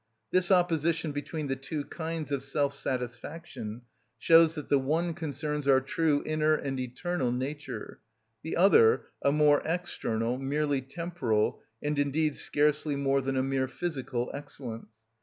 This opposition between the two kinds of self satisfaction shows that the one concerns our true inner and eternal nature, the other a more external, merely temporal, and indeed scarcely more than a mere physical excellence.